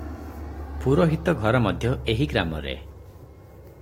ପୁରୋହିତ ଘର ମଧ୍ୟ ଏହି ଗ୍ରାମରେ ।